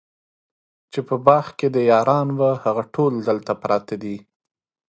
چي په باغ کي دي یاران وه هغه ټول دلته پراته دي